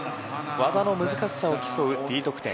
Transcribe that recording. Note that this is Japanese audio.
技の難しさを競うＤ得点。